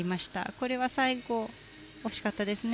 これは最後、惜しかったですね。